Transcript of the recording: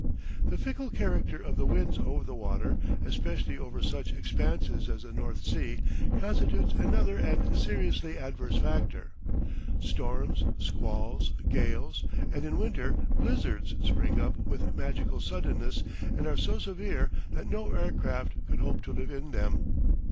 The fickle character of the winds over the water, especially over such expanses as the North Sea, constitutes another and seriously adverse factor. Storms, squalls, gales, and, in winter, blizzards, spring up with magical suddenness, and are so severe that no aircraft could hope to live in them.